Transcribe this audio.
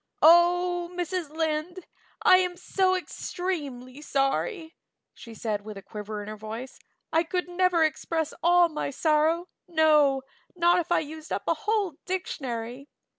"Oh, Mrs. Lynde, I am so extremely sorry," she said with a quiver in her voice. "I could never express all my sorrow, no, not if I used up a whole dictionary.